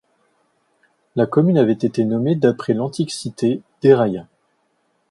La commune avait été nommée d’après l’antique cité d'Héraia.